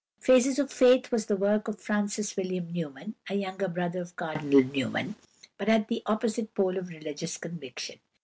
"Phases of Faith" was the work of =Francis William Newman (1805 1897)=, a younger brother of Cardinal Newman, but at the opposite pole of religious conviction.